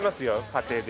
家庭で。